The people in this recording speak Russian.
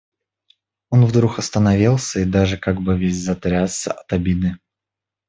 Он вдруг остановился и даже как бы весь затрясся от обиды.